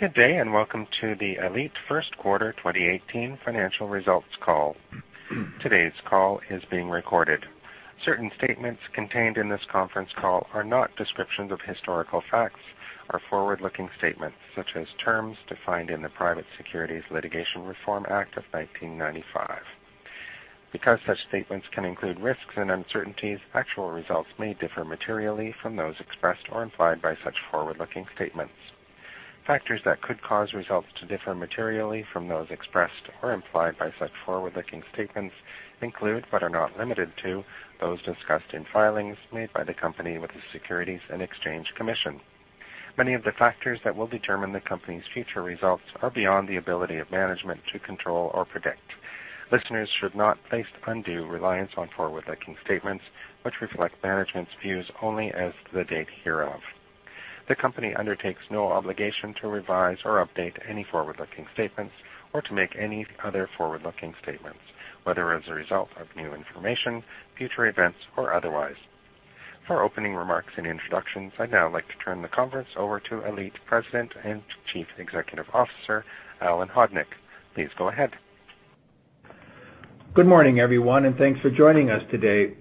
Good day, and welcome to the ALLETE first quarter 2018 financial results call. Today's call is being recorded. Certain statements contained in this conference call are not descriptions of historical facts or forward-looking statements such as terms defined in the Private Securities Litigation Reform Act of 1995. Because such statements can include risks and uncertainties, actual results may differ materially from those expressed or implied by such forward-looking statements. Factors that could cause results to differ materially from those expressed or implied by such forward-looking statements include, but are not limited to, those discussed in filings made by the company with the Securities and Exchange Commission. Many of the factors that will determine the company's future results are beyond the ability of management to control or predict. Listeners should not place undue reliance on forward-looking statements, which reflect management's views only as of the date hereof. The company undertakes no obligation to revise or update any forward-looking statements or to make any other forward-looking statements, whether as a result of new information, future events, or otherwise. For opening remarks and introductions, I'd now like to turn the conference over to ALLETE President and Chief Executive Officer, Alan Hodnik. Please go ahead. Good morning, everyone, and thanks for joining us today.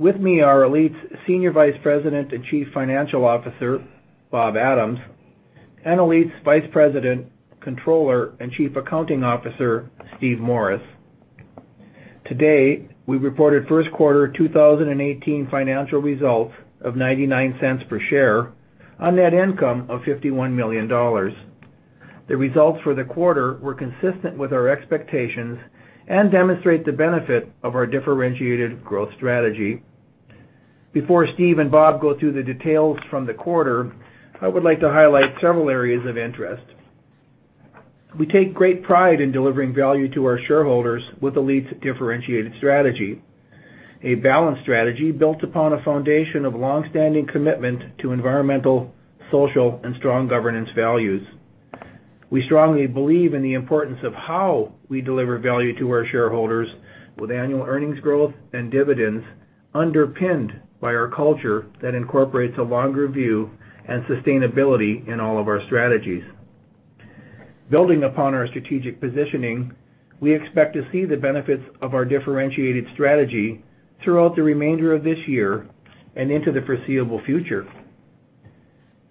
With me are ALLETE's Senior Vice President and Chief Financial Officer, Bob Adams, and ALLETE's Vice President, Comptroller and Chief Accounting Officer, Steve Morris. Today, we reported first quarter 2018 financial results of $0.99 per share on net income of $51 million. The results for the quarter were consistent with our expectations and demonstrate the benefit of our differentiated growth strategy. Before Steve and Bob go through the details from the quarter, I would like to highlight several areas of interest. We take great pride in delivering value to our shareholders with ALLETE's differentiated strategy, a balanced strategy built upon a foundation of longstanding commitment to environmental, social, and strong governance values. We strongly believe in the importance of how we deliver value to our shareholders with annual earnings growth and dividends underpinned by our culture that incorporates a longer view and sustainability in all of our strategies. Building upon our strategic positioning, we expect to see the benefits of our differentiated strategy throughout the remainder of this year and into the foreseeable future.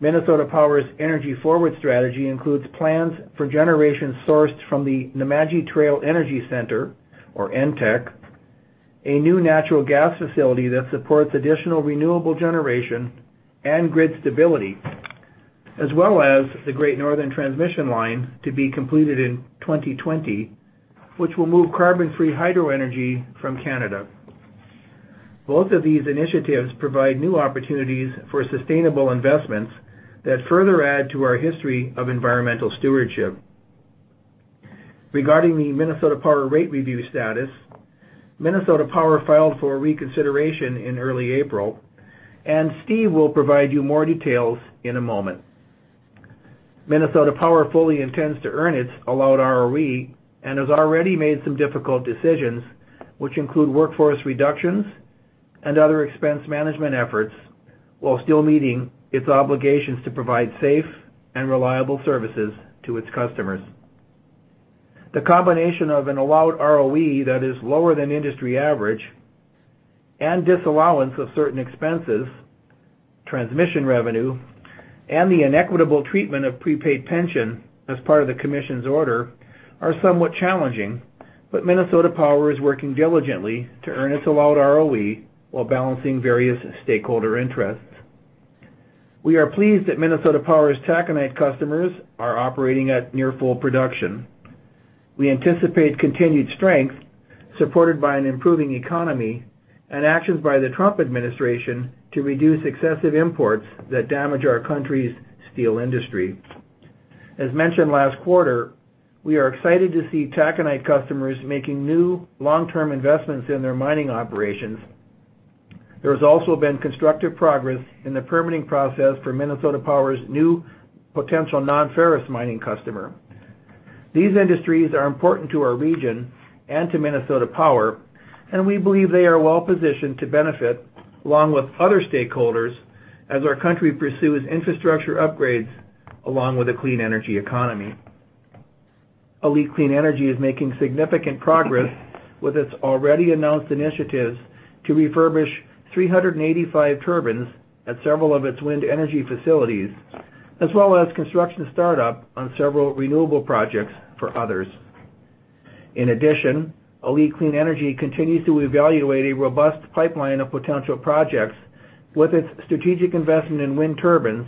Minnesota Power's EnergyForward strategy includes plans for generation sourced from the Nemadji Trail Energy Center, or NTEC, a new natural gas facility that supports additional renewable generation and grid stability. As well as the Great Northern Transmission Line to be completed in 2020, which will move carbon-free hydro energy from Canada. Both of these initiatives provide new opportunities for sustainable investments that further add to our history of environmental stewardship. Regarding the Minnesota Power rate review status, Minnesota Power filed for reconsideration in early April. Steve will provide you more details in a moment. Minnesota Power fully intends to earn its allowed ROE and has already made some difficult decisions, which include workforce reductions and other expense management efforts while still meeting its obligations to provide safe and reliable services to its customers. The combination of an allowed ROE that is lower than industry average and disallowance of certain expenses, transmission revenue, and the inequitable treatment of prepaid pension as part of the Commission's order are somewhat challenging. Minnesota Power is working diligently to earn its allowed ROE while balancing various stakeholder interests. We are pleased that Minnesota Power's taconite customers are operating at near full production. We anticipate continued strength supported by an improving economy and actions by the Trump administration to reduce excessive imports that damage our country's steel industry. As mentioned last quarter, we are excited to see taconite customers making new long-term investments in their mining operations. There has also been constructive progress in the permitting process for Minnesota Power's new potential non-ferrous mining customer. These industries are important to our region and to Minnesota Power. We believe they are well-positioned to benefit along with other stakeholders as our country pursues infrastructure upgrades along with a clean energy economy. ALLETE Clean Energy is making significant progress with its already announced initiatives to refurbish 385 turbines at several of its wind energy facilities, as well as construction startup on several renewable projects for others. In addition, ALLETE Clean Energy continues to evaluate a robust pipeline of potential projects with its strategic investment in wind turbines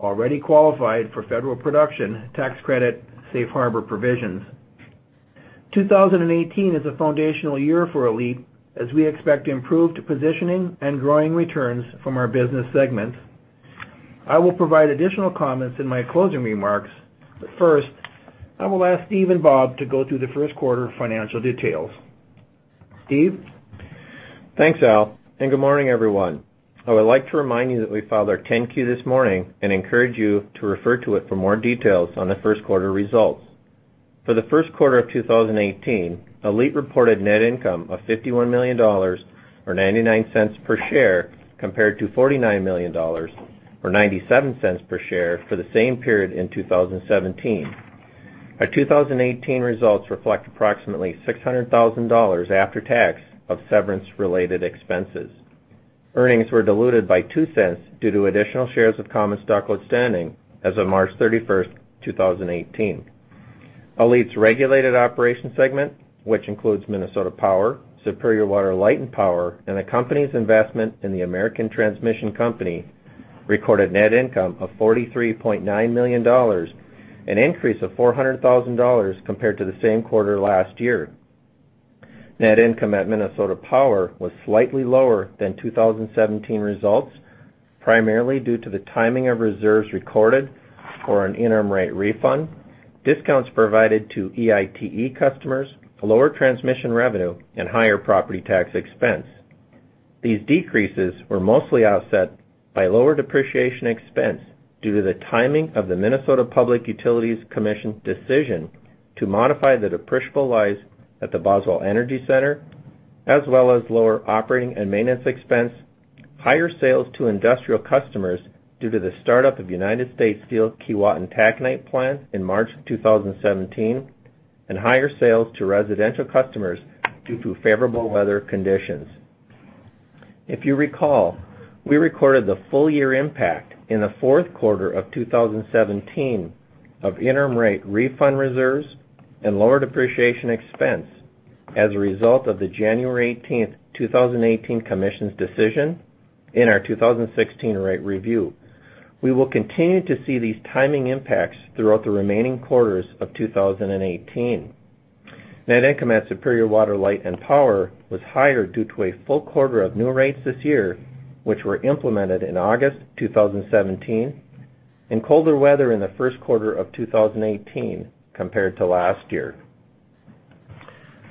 already qualified for federal production tax credit safe harbor provisions. 2018 is a foundational year for ALLETE as we expect improved positioning and growing returns from our business segments. I will provide additional comments in my closing remarks. First, I will ask Steve and Bob to go through the first quarter financial details. Steve? Thanks, Al, and good morning, everyone. I would like to remind you that we filed our 10-Q this morning. I encourage you to refer to it for more details on the first quarter results. For the first quarter of 2018, ALLETE reported net income of $51 million, or $0.99 per share, compared to $49 million or $0.97 per share for the same period in 2017. Our 2018 results reflect approximately $600,000 after tax of severance-related expenses. Earnings were diluted by $0.02 due to additional shares of common stock outstanding as of March 31st, 2018. ALLETE's regulated operation segment, which includes Minnesota Power, Superior Water, Light, and Power, and the company's investment in the American Transmission Company, recorded net income of $43.9 million, an increase of $400,000 compared to the same quarter last year. Net income at Minnesota Power was slightly lower than 2017 results, primarily due to the timing of reserves recorded for an interim rate refund, discounts provided to EITE customers, lower transmission revenue, and higher property tax expense. These decreases were mostly offset by lower depreciation expense due to the timing of the Minnesota Public Utilities Commission decision to modify the depreciable lives at the Boswell Energy Center, as well as lower operating and maintenance expense, higher sales to industrial customers due to the startup of United States Steel's Keewatin taconite plant in March 2017, and higher sales to residential customers due to favorable weather conditions. If you recall, we recorded the full-year impact in the fourth quarter of 2017 of interim rate refund reserves and lower depreciation expense as a result of the January 18th, 2018, commission's decision in our 2016 rate review. We will continue to see these timing impacts throughout the remaining quarters of 2018. Net income at Superior Water, Light, and Power was higher due to a full quarter of new rates this year, which were implemented in August 2017, and colder weather in the first quarter of 2018 compared to last year.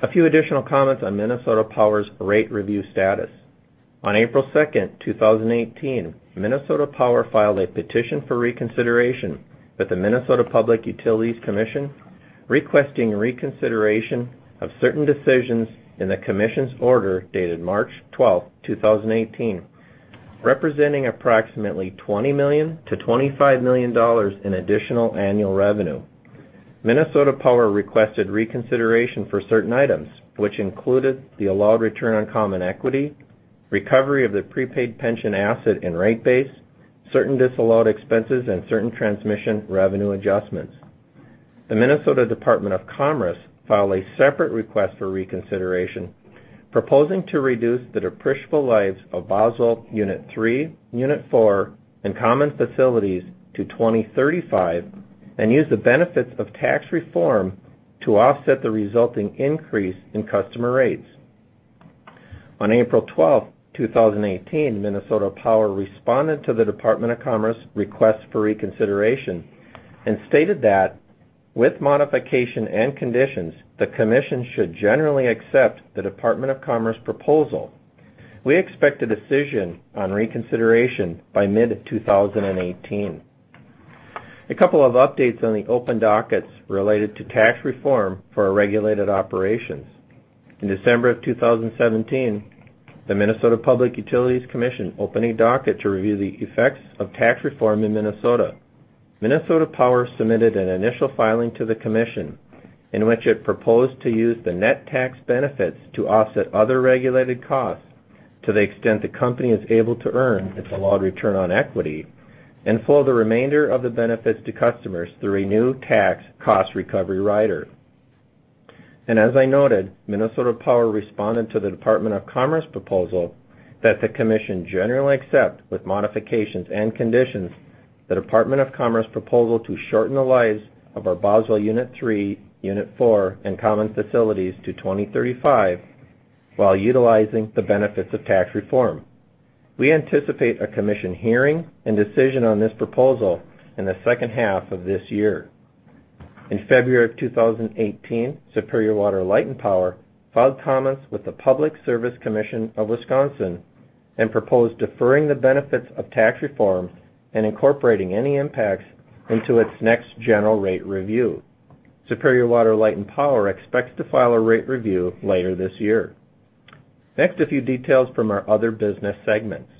A few additional comments on Minnesota Power's rate review status. On April 2nd, 2018, Minnesota Power filed a petition for reconsideration with the Minnesota Public Utilities Commission, requesting reconsideration of certain decisions in the commission's order dated March 12th, 2018, representing approximately $20 million to $25 million in additional annual revenue. Minnesota Power requested reconsideration for certain items, which included the allowed return on common equity, recovery of the prepaid pension asset and rate base, certain disallowed expenses, and certain transmission revenue adjustments. The Minnesota Department of Commerce filed a separate request for reconsideration, proposing to reduce the depreciable lives of Boswell Unit 3, Unit 4, and common facilities to 2035 and use the benefits of tax reform to offset the resulting increase in customer rates. On April 12th, 2018, Minnesota Power responded to the Department of Commerce request for reconsideration and stated that, with modification and conditions, the commission should generally accept the Department of Commerce proposal. We expect a decision on reconsideration by mid-2018. A couple of updates on the open dockets related to tax reform for our regulated operations. In December of 2017, the Minnesota Public Utilities Commission opened a docket to review the effects of tax reform in Minnesota. Minnesota Power submitted an initial filing to the commission in which it proposed to use the net tax benefits to offset other regulated costs to the extent the company is able to earn its allowed return on equity and flow the remainder of the benefits to customers through a new tax cost recovery rider. As I noted, Minnesota Power responded to the Department of Commerce proposal that the commission generally accept, with modifications and conditions, the Department of Commerce proposal to shorten the lives of our Boswell Unit 3, Unit 4, and common facilities to 2035 while utilizing the benefits of tax reform. We anticipate a commission hearing and decision on this proposal in the second half of this year. In February of 2018, Superior Water, Light, and Power filed comments with the Public Service Commission of Wisconsin and proposed deferring the benefits of tax reform and incorporating any impacts into its next general rate review. Superior Water, Light, and Power expects to file a rate review later this year. Next, a few details from our other business segments.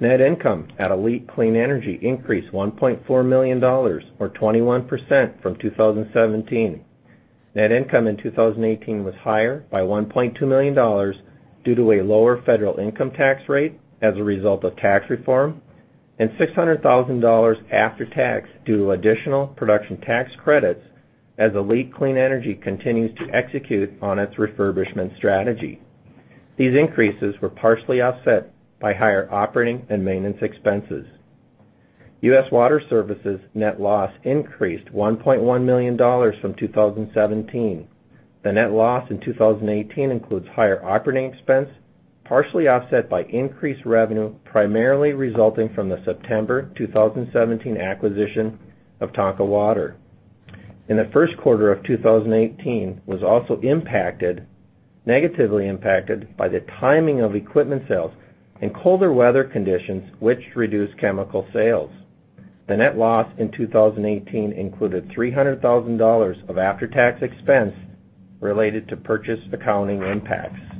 Net income at ALLETE Clean Energy increased $1.4 million, or 21%, from 2017. Net income in 2018 was higher by $1.2 million due to a lower federal income tax rate as a result of tax reform, and $600,000 after tax due to additional production tax credits as ALLETE Clean Energy continues to execute on its refurbishment strategy. These increases were partially offset by higher operating and maintenance expenses. U.S. Water Services net loss increased $1.1 million from 2017. The net loss in 2018 includes higher operating expense, partially offset by increased revenue, primarily resulting from the September 2017 acquisition of Tonka Water. The first quarter of 2018 was also negatively impacted by the timing of equipment sales and colder weather conditions, which reduced chemical sales. The net loss in 2018 included $300,000 of after-tax expense related to purchase accounting impacts.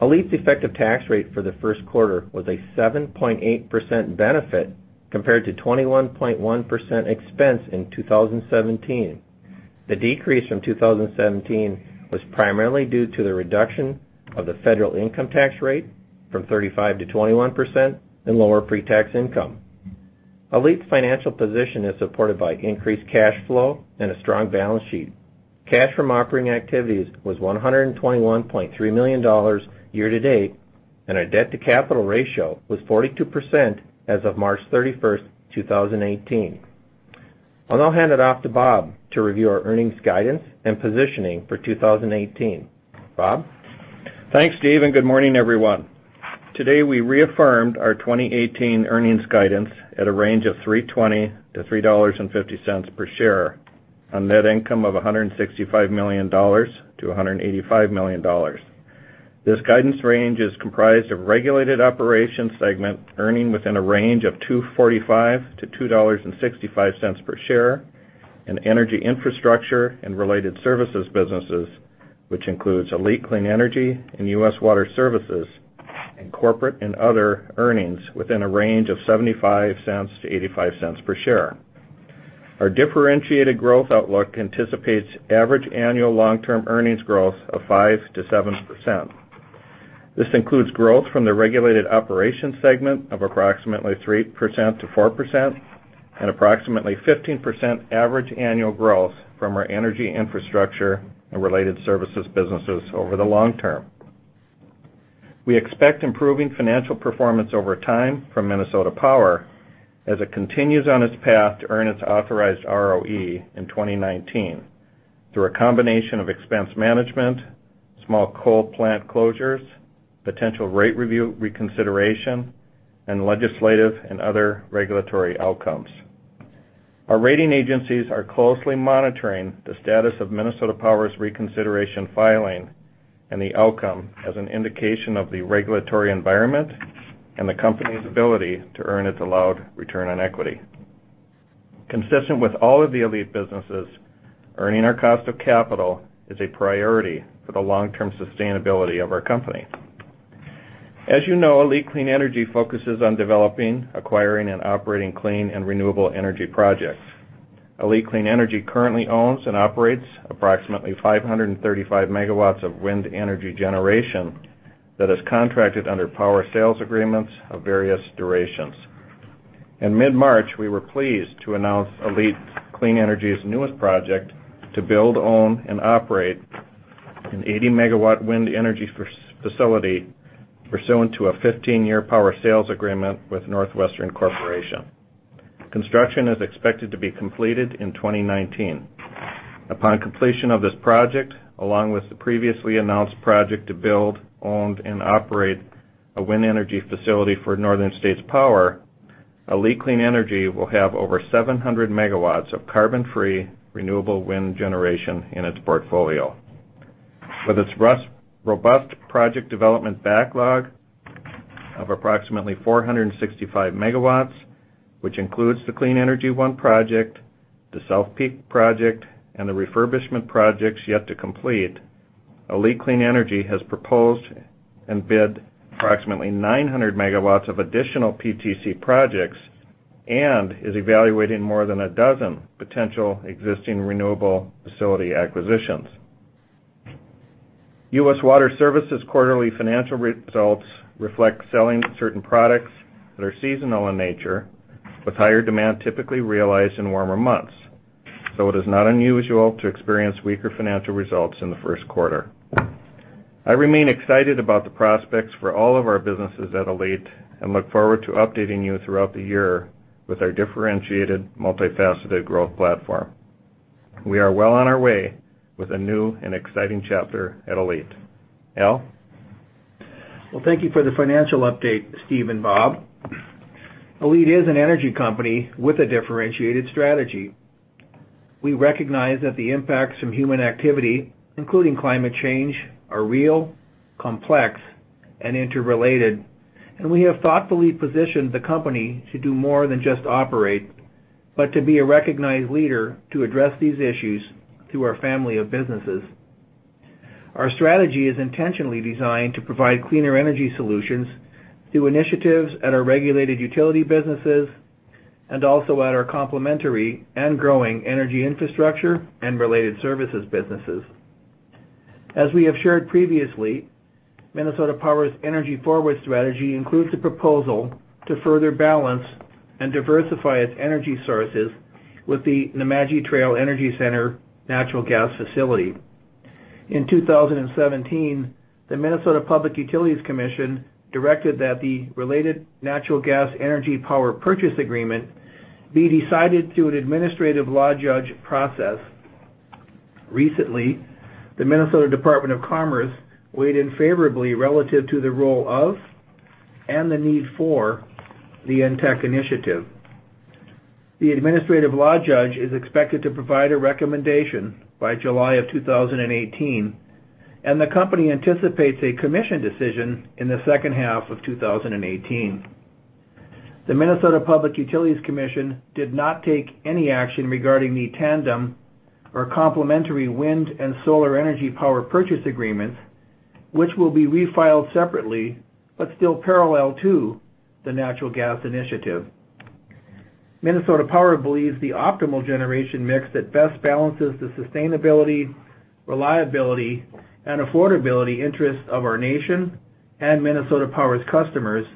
ALLETE's effective tax rate for the first quarter was a 7.8% benefit compared to 21.1% expense in 2017. The decrease from 2017 was primarily due to the reduction of the federal income tax rate from 35% to 21% and lower pre-tax income. ALLETE's financial position is supported by increased cash flow and a strong balance sheet. Cash from operating activities was $121.3 million year to date, and our debt to capital ratio was 42% as of March 31st, 2018. I'll now hand it off to Bob to review our earnings guidance and positioning for 2018. Bob? Thanks, Steve, and good morning, everyone. Today, we reaffirmed our 2018 earnings guidance at a range of $3.20-$3.50 per share on net income of $165 million-$185 million. This guidance range is comprised of Regulated Operations Segment earning within a range of $2.45-$2.65 per share, and energy infrastructure and related services businesses, which includes ALLETE Clean Energy and U.S. Water Services, and corporate and other earnings within a range of $0.75-$0.85 per share. Our differentiated growth outlook anticipates average annual long-term earnings growth of 5%-7%. This includes growth from the Regulated Operations Segment of approximately 3%-4% and approximately 15% average annual growth from our energy infrastructure and related services businesses over the long term. We expect improving financial performance over time from Minnesota Power as it continues on its path to earn its authorized ROE in 2019 through a combination of expense management, small coal plant closures, potential rate review reconsideration, and legislative and other regulatory outcomes. Our rating agencies are closely monitoring the status of Minnesota Power's reconsideration filing and the outcome as an indication of the regulatory environment and the company's ability to earn its allowed return on equity. Consistent with all of the ALLETE businesses, earning our cost of capital is a priority for the long-term sustainability of our company. As you know, ALLETE Clean Energy focuses on developing, acquiring, and operating clean and renewable energy projects. ALLETE Clean Energy currently owns and operates approximately 535 megawatts of wind energy generation that is contracted under power sales agreements of various durations. In mid-March, we were pleased to announce ALLETE Clean Energy's newest project to build, own, and operate an 80-megawatt wind energy facility pursuant to a 15-year power sales agreement with NorthWestern Corporation. Construction is expected to be completed in 2019. Upon completion of this project, along with the previously announced project to build, own, and operate a wind energy facility for Northern States Power, ALLETE Clean Energy will have over 700 megawatts of carbon-free, renewable wind generation in its portfolio. With its robust project development backlog of approximately 465 megawatts, which includes the Clean Energy 1 project, the South Peak project, and the refurbishment projects yet to complete, ALLETE Clean Energy has proposed and bid approximately 900 megawatts of additional PTC projects and is evaluating more than a dozen potential existing renewable facility acquisitions. U.S. Water Services quarterly financial results reflect selling certain products that are seasonal in nature, with higher demand typically realized in warmer months. It is not unusual to experience weaker financial results in the first quarter. I remain excited about the prospects for all of our businesses at ALLETE and look forward to updating you throughout the year with our differentiated, multifaceted growth platform. We are well on our way with a new and exciting chapter at ALLETE. Al? Thank you for the financial update, Steve and Bob. ALLETE is an energy company with a differentiated strategy. We recognize that the impacts from human activity, including climate change, are real, complex, and interrelated, and we have thoughtfully positioned the company to do more than just operate, but to be a recognized leader to address these issues through our family of businesses. Our strategy is intentionally designed to provide cleaner energy solutions through initiatives at our regulated utility businesses and also at our complementary and growing energy infrastructure and related services businesses. As we have shared previously, Minnesota Power's EnergyForward strategy includes a proposal to further balance and diversify its energy sources with the Nemadji Trail Energy Center natural gas facility. In 2017, the Minnesota Public Utilities Commission directed that the related natural gas energy power purchase agreement be decided through an administrative law judge process. Recently, the Minnesota Department of Commerce weighed in favorably relative to the role of and the need for the NTEC initiative. The administrative law judge is expected to provide a recommendation by July of 2018, the company anticipates a commission decision in the second half of 2018. The Minnesota Public Utilities Commission did not take any action regarding the tandem or complementary wind and solar energy power purchase agreements, which will be refiled separately but still parallel to the natural gas initiative. Minnesota Power believes the optimal generation mix that best balances the sustainability, reliability, and affordability interests of our nation and Minnesota Power's customers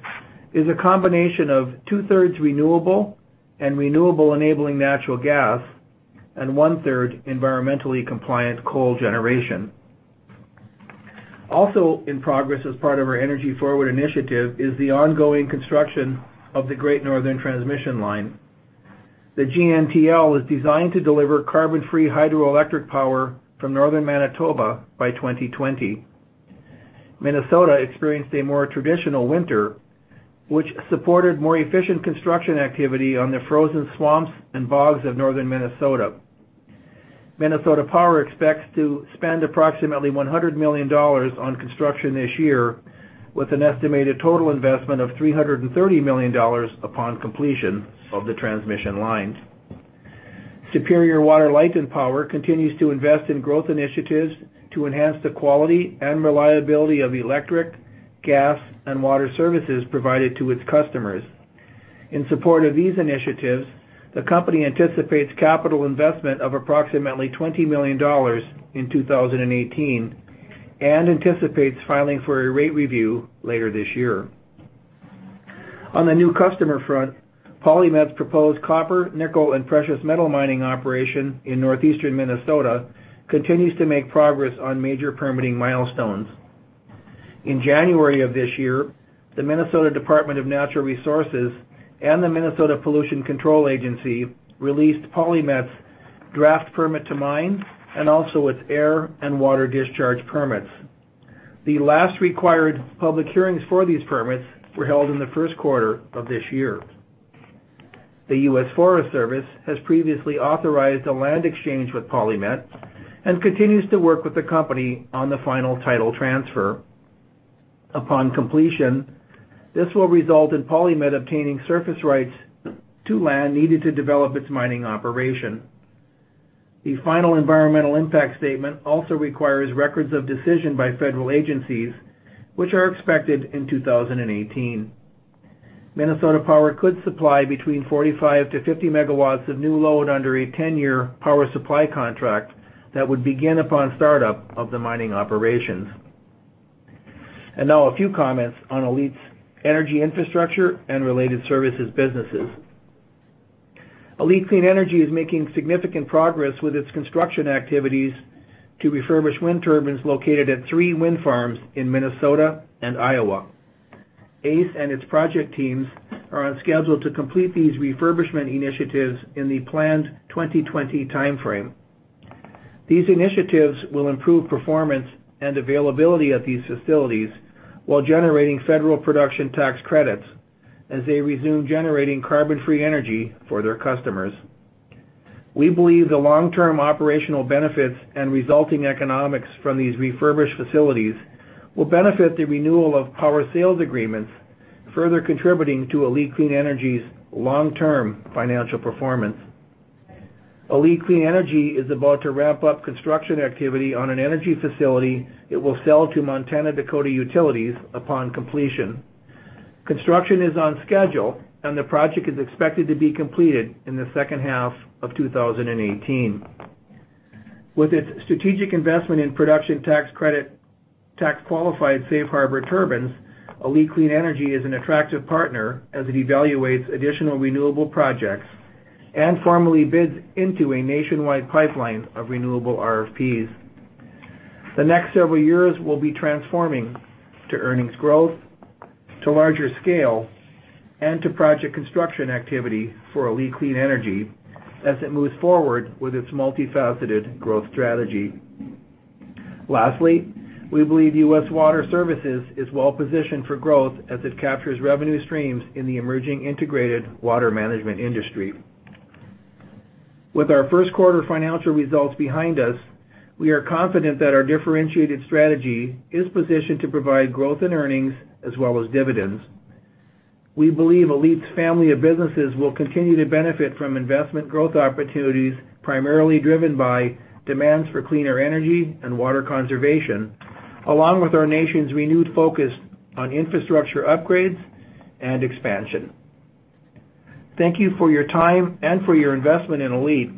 is a combination of two-thirds renewable and renewable-enabling natural gas and one-third environmentally compliant coal generation. Also in progress as part of our EnergyForward initiative is the ongoing construction of the Great Northern Transmission Line. The GNTL is designed to deliver carbon-free hydroelectric power from northern Manitoba by 2020. Minnesota experienced a more traditional winter, which supported more efficient construction activity on the frozen swamps and bogs of northern Minnesota. Minnesota Power expects to spend approximately $100 million on construction this year, with an estimated total investment of $330 million upon completion of the transmission lines. Superior Water, Light, and Power continues to invest in growth initiatives to enhance the quality and reliability of electric, gas, and water services provided to its customers. In support of these initiatives, the company anticipates capital investment of approximately $20 million in 2018 and anticipates filing for a rate review later this year. On the new customer front, PolyMet's proposed copper, nickel, and precious metal mining operation in northeastern Minnesota continues to make progress on major permitting milestones. In January of this year, the Minnesota Department of Natural Resources and the Minnesota Pollution Control Agency released PolyMet's draft permit to mine and also its air and water discharge permits. The last required public hearings for these permits were held in the first quarter of this year. The U.S. Forest Service has previously authorized a land exchange with PolyMet and continues to work with the company on the final title transfer. Upon completion, this will result in PolyMet obtaining surface rights to land needed to develop its mining operation. The final environmental impact statement also requires records of decision by federal agencies, which are expected in 2018. Minnesota Power could supply between 45 to 50 megawatts of new load under a ten-year power supply contract that would begin upon startup of the mining operations. Now a few comments on ALLETE's energy infrastructure and related services businesses. ALLETE Clean Energy is making significant progress with its construction activities to refurbish wind turbines located at three wind farms in Minnesota and Iowa. ACE and its project teams are on schedule to complete these refurbishment initiatives in the planned 2020 timeframe. These initiatives will improve performance and availability at these facilities while generating federal production tax credits as they resume generating carbon-free energy for their customers. We believe the long-term operational benefits and resulting economics from these refurbished facilities will benefit the renewal of power sales agreements, further contributing to ALLETE Clean Energy's long-term financial performance. ALLETE Clean Energy is about to ramp up construction activity on an energy facility it will sell to Montana-Dakota Utilities upon completion. Construction is on schedule, and the project is expected to be completed in the second half of 2018. With its strategic investment in production tax credit, tax-qualified safe harbor turbines, ALLETE Clean Energy is an attractive partner as it evaluates additional renewable projects and formally bids into a nationwide pipeline of renewable RFPs. The next several years will be transforming to earnings growth, to larger scale, and to project construction activity for ALLETE Clean Energy as it moves forward with its multifaceted growth strategy. Lastly, we believe U.S. Water Services is well positioned for growth as it captures revenue streams in the emerging integrated water management industry. With our first quarter financial results behind us, we are confident that our differentiated strategy is positioned to provide growth in earnings as well as dividends. We believe ALLETE's family of businesses will continue to benefit from investment growth opportunities, primarily driven by demands for cleaner energy and water conservation, along with our nation's renewed focus on infrastructure upgrades and expansion. Thank you for your time and for your investment in ALLETE.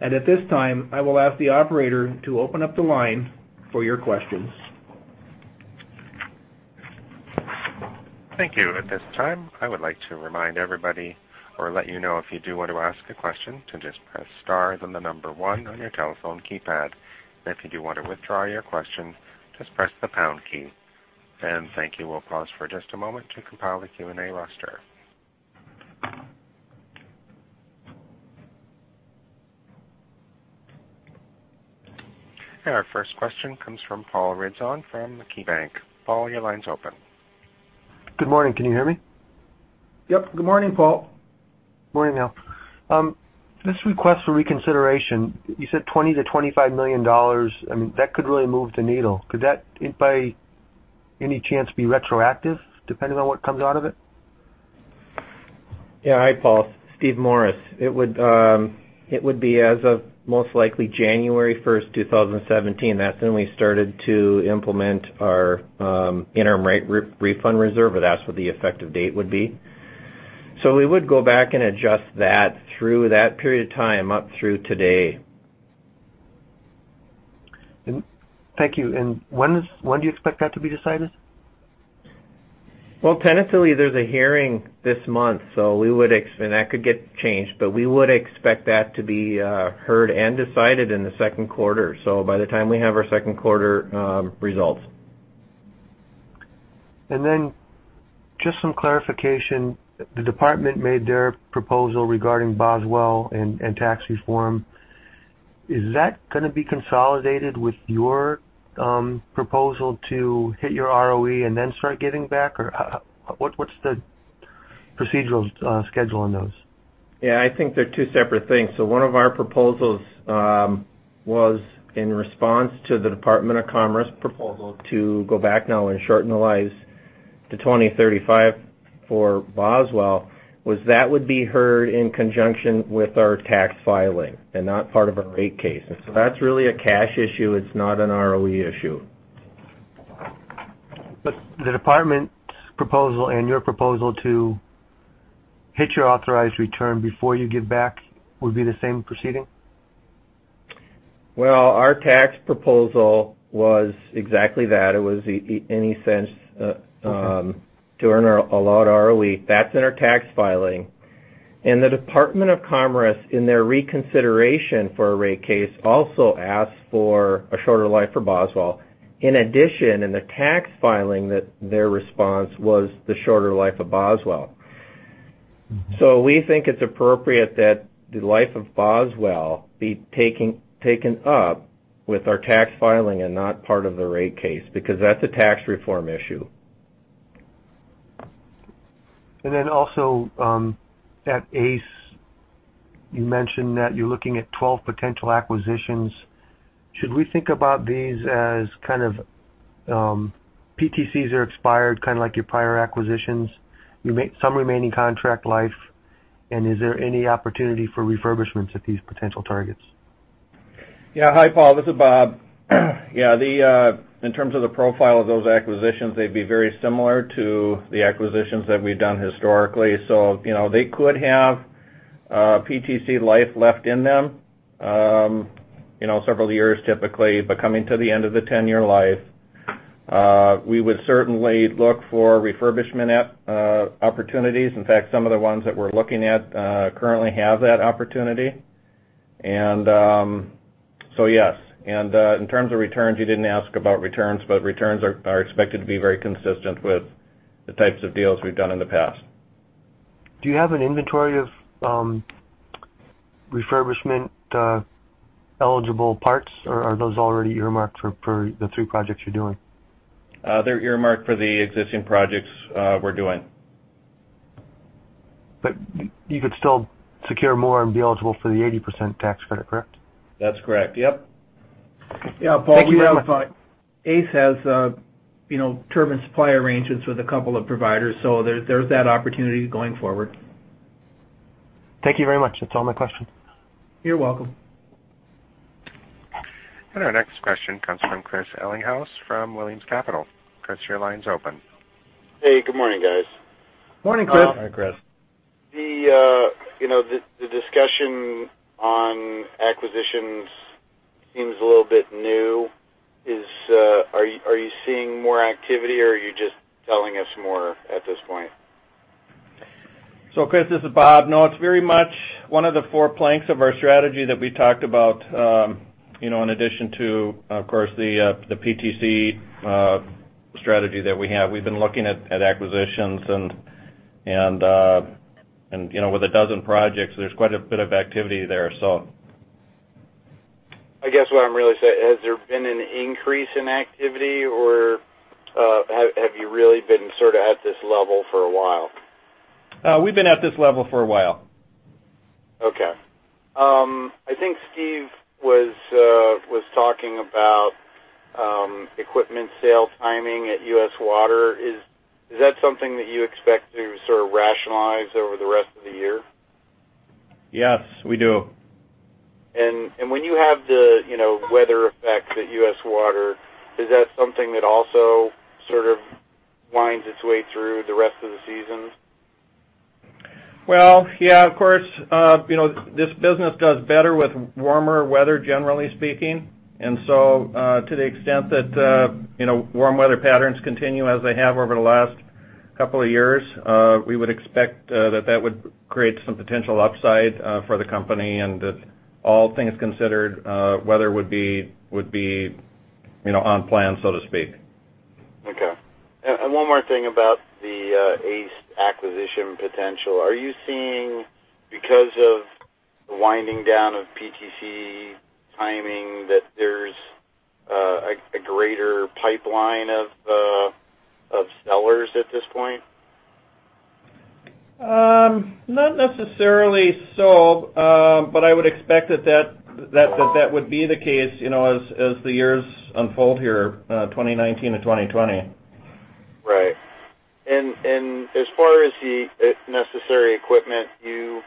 At this time, I will ask the operator to open up the line for your questions. Thank you. At this time, I would like to remind everybody or let you know if you do want to ask a question, to just press star, then the number one on your telephone keypad. If you do want to withdraw your question, just press the pound key. Thank you. We'll pause for just a moment to compile the Q&A roster. Our first question comes from Paul Ridzon from KeyBank. Paul, your line's open. Good morning. Can you hear me? Yep. Good morning, Paul. Morning, Al. This request for reconsideration, you said $20 million-$25 million. That could really move the needle. Could that, by any chance, be retroactive, depending on what comes out of it? Yeah. Hi, Paul. Steven Morris. It would be as of, most likely, January 1st, 2017. That's when we started to implement our interim rate refund reserve, that's what the effective date would be. We would go back and adjust that through that period of time up through today. Thank you. When do you expect that to be decided? Tentatively, there's a hearing this month, that could get changed, we would expect that to be heard and decided in the second quarter. By the time we have our second quarter results. Just some clarification. The department made their proposal regarding Boswell and tax reform. Is that going to be consolidated with your proposal to hit your ROE and then start giving back? What's the procedural schedule on those? I think they're two separate things. One of our proposals was in response to the Minnesota Department of Commerce proposal to go back now and shorten the lives to 2035 for Boswell, was that would be heard in conjunction with our tax filing and not part of a rate case. That's really a cash issue. It's not an ROE issue. The Department's proposal and your proposal to hit your authorized return before you give back would be the same proceeding? Our tax proposal was exactly that. It was Okay to earn our allotted ROE. That's in our tax filing. The Department of Commerce, in their reconsideration for a rate case, also asked for a shorter life for Boswell. In addition, in the tax filing, their response was the shorter life of Boswell. We think it's appropriate that the life of Boswell be taken up with our tax filing and not part of the rate case, because that's a tax reform issue. Also, at ACE, you mentioned that you're looking at 12 potential acquisitions. Should we think about these as PTCs are expired, kind of like your prior acquisitions? You make some remaining contract life, and is there any opportunity for refurbishments at these potential targets? Hi, Paul. This is Bob. In terms of the profile of those acquisitions, they'd be very similar to the acquisitions that we've done historically. They could have PTC life left in them. Several years, typically, but coming to the end of the 10-year life. We would certainly look for refurbishment opportunities. In fact, some of the ones that we're looking at currently have that opportunity. Yes. In terms of returns, you didn't ask about returns, but returns are expected to be very consistent with the types of deals we've done in the past. Do you have an inventory of refurbishment-eligible parts, or are those already earmarked for the three projects you're doing? They're earmarked for the existing projects we're doing. You could still secure more and be eligible for the 80% tax credit, correct? That's correct. Yep. Thank you very much. Yeah, Paul. ACE has turbine supply arrangements with a couple of providers, so there's that opportunity going forward. Thank you very much. That's all my questions. You're welcome. Our next question comes from Chris Ellinghaus from Williams Capital. Chris, your line's open. Hey, good morning, guys. Morning, Chris. Morning, Chris. The discussion on acquisitions seems a little bit new. Are you seeing more activity, or are you just telling us more at this point? Chris, this is Bob. No, it's very much one of the four planks of our strategy that we talked about. In addition to, of course, the PTC strategy that we have. We've been looking at acquisitions and with a dozen projects, there's quite a bit of activity there. I guess what I'm really saying, has there been an increase in activity, or have you really been sort of at this level for a while? We've been at this level for a while. Okay. I think Steve was talking about equipment sale timing at U.S. Water. Is that something that you expect to sort of rationalize over the rest of the year? Yes, we do. When you have the weather effects at U.S. Water, is that something that also sort of winds its way through the rest of the season? Well, yeah, of course. This business does better with warmer weather, generally speaking. To the extent that warm weather patterns continue as they have over the last couple of years, we would expect that that would create some potential upside for the company, and that all things considered, weather would be on plan, so to speak. Okay. One more thing about the ACE acquisition potential. Are you seeing, because of the winding down of PTC timing, that there's a greater pipeline of sellers at this point? Not necessarily so, but I would expect that that would be the case as the years unfold here, 2019 to 2020. Right. As far as the necessary equipment, you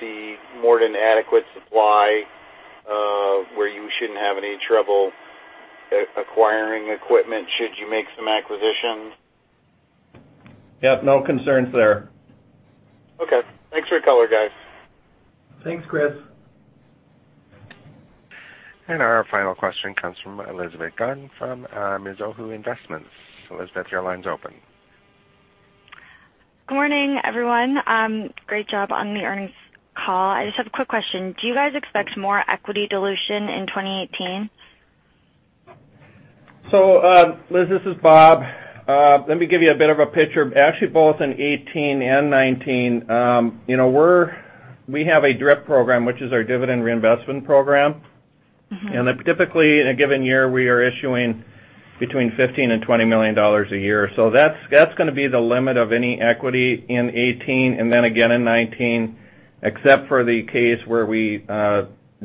see more than adequate supply where you shouldn't have any trouble acquiring equipment should you make some acquisitions? Yep. No concerns there. Okay. Thanks for your color, guys. Thanks, Chris. Our final question comes from Elizabeth Gan from Mizuho Investments. Elizabeth, your line's open. Good morning, everyone. Great job on the earnings call. I just have a quick question. Do you guys expect more equity dilution in 2018? Liz, this is Bob. Let me give you a bit of a picture. Actually, both in 2018 and 2019, we have a DRIP program, which is our dividend reinvestment program. Typically, in a given year, we are issuing between $15 million-$20 million a year. That's going to be the limit of any equity in 2018, and then again in 2019, except for the case where we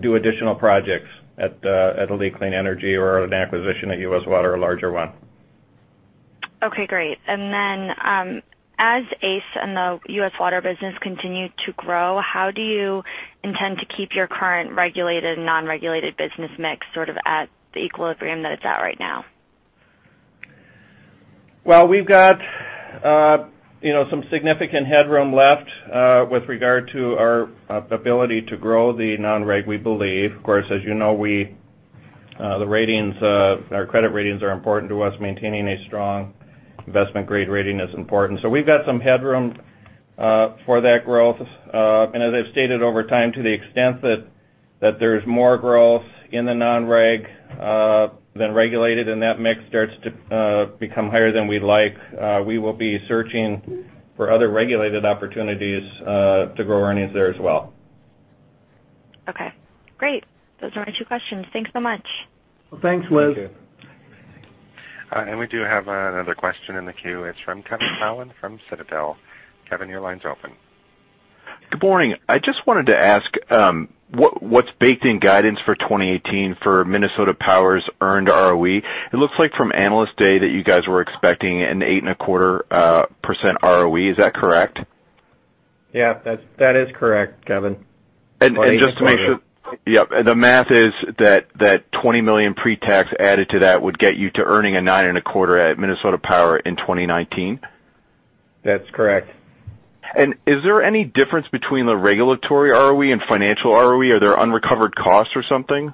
do additional projects at ALLETE Clean Energy or an acquisition at U.S. Water, a larger one. Okay, great. Then, as ACE and the U.S. Water business continue to grow, how do you intend to keep your current regulated, non-regulated business mix sort of at the equilibrium that it's at right now? Well, we've got some significant headroom left with regard to our ability to grow the non-reg, we believe. Of course, as you know, our credit ratings are important to us. Maintaining a strong investment-grade rating is important. We've got some headroom for that growth. As I've stated over time, to the extent that there's more growth in the non-reg than regulated, and that mix starts to become higher than we'd like, we will be searching for other regulated opportunities to grow earnings there as well. Okay, great. Those are my two questions. Thanks so much. Well, thanks, Liz. Thank you. We do have another question in the queue. It's from Kevin Cowan from Citadel. Kevin, your line's open. Good morning. I just wanted to ask what's baked in guidance for 2018 for Minnesota Power's earned ROE. It looks like from Analyst Day that you guys were expecting an 8.25% ROE. Is that correct? Yeah, that is correct, Kevin. Just to make sure. Yep. The math is that $20 million pre-tax added to that would get you to earning a 9.25% at Minnesota Power in 2019? That's correct. Is there any difference between the regulatory ROE and financial ROE? Are there unrecovered costs or something?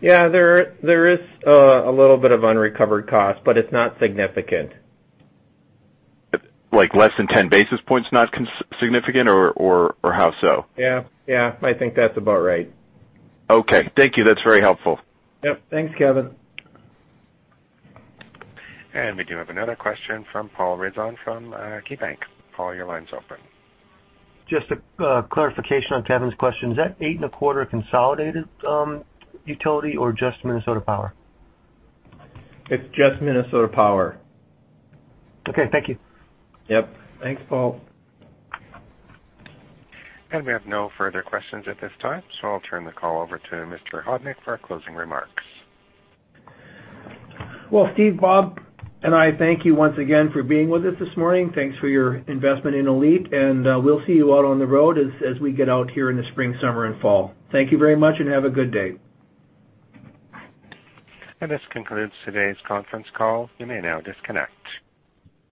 Yeah, there is a little bit of unrecovered cost, but it's not significant. Like less than 10 basis points, not significant or how so? Yeah. I think that's about right. Okay. Thank you. That's very helpful. Yep. Thanks, Kevin. We do have another question from Paul Ridzon from KeyBank. Paul, your line's open. Just a clarification on Kevin's question. Is that 8.25% consolidated utility or just Minnesota Power? It's just Minnesota Power. Okay. Thank you. Yep. Thanks, Paul. We have no further questions at this time, so I'll turn the call over to Mr. Hodnik for our closing remarks. Well, Steve, Bob, and I thank you once again for being with us this morning. Thanks for your investment in ALLETE. We'll see you out on the road as we get out here in the spring, summer, and fall. Thank you very much. Have a good day. This concludes today's conference call. You may now disconnect.